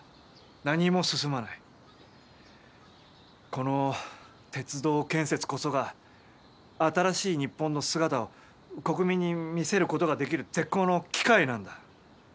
この鉄道建設こそが新しい日本の姿を国民に見せる事ができる絶好の機会なんだ。